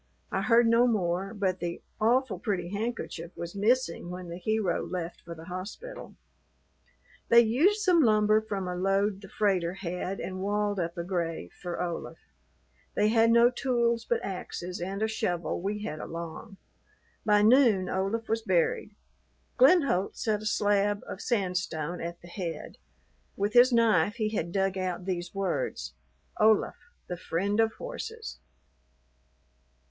I heard no more, but the "awful pretty handkerchief" was missing when the hero left for the hospital. They used some lumber from a load the freighter had and walled up a grave for Olaf. They had no tools but axes and a shovel we had along. By noon Olaf was buried. Glenholdt set a slab of sandstone at the head. With his knife he had dug out these words "Olaf. The friend of horses."